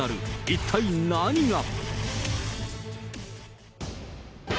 一体何が。